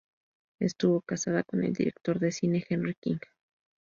Estuvo casada con el director de cine Henry King.